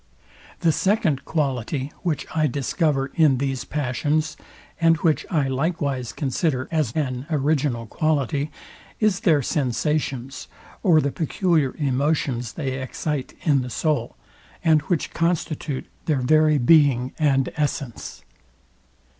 The SECOND quality, which I discover in these passions, and which I likewise consider an an original quality, is their sensations, or the peculiar emotions they excite in the soul, and which constitute their very being and essence.